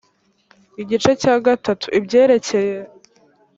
igice cya gatatu ibyerekeye